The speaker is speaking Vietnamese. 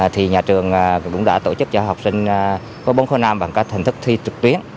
thì nhà trường cũng đã tổ chức cho học sinh với bốn khuôn nam bằng các thành thức thi trực tuyến